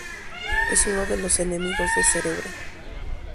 Es uno de los enemigos de Cerebro.